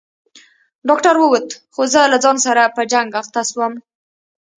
ډاکتر ووت خو زه له ځان سره په جنگ اخته سوم.